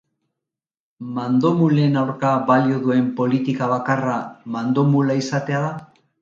Mandomulen aurka balio duen politika bakarra mandomula izatea da?